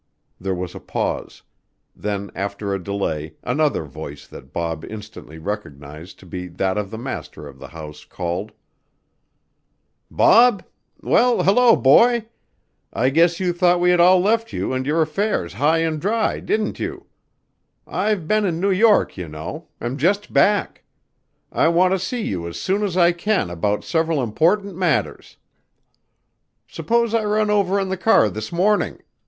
There was a pause; then after a delay another voice that Bob instantly recognized to be that of the master of the house called: "Bob? Well, hello, boy! I guess you thought we had all left you and your affairs high and dry, didn't you? I've been in New York, you know am just back. I want to see you as soon as I can about several important matters. Suppose I run over in the car this morning?